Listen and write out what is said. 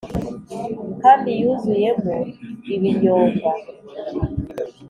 kandi yuzuyemo ibinyonga